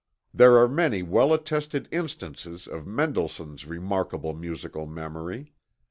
There are many well attested instances of Mendelssohn's remarkable musical memory.